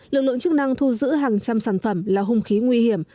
lực lượng chức năng thu giữ hàng trăm sản phẩm là hung khí nguy hiểm